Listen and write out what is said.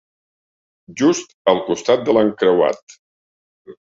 Just al costat de l'encreuat.